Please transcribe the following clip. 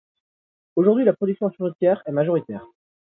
Aujourd'hui, la production fruitière est majoritaire.